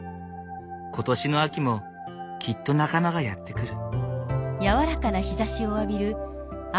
今年の秋もきっと仲間がやって来る。